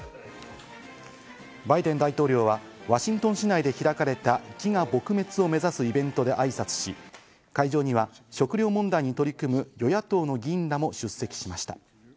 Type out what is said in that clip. バイデン大統領はワシントン市内で開かれた飢餓撲滅を目指すイベントで挨拶し、会場には食料問題に取り組む与野党の議員らも出席しました。